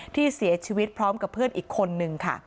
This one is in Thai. ที่เสียชีวิตพร้อมกับเพื่อนอีกคนนึงค่ะ